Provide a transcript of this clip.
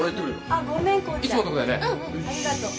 ありがとう。